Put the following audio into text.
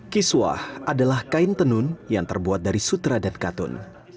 kiswah adalah kain tenun yang terbuat dari sutra dan katun